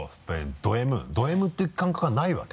ドＭ？ドＭっていう感覚がないわけ？